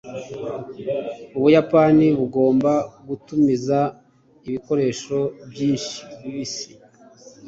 ubuyapani bugomba gutumiza ibikoresho byinshi bibisi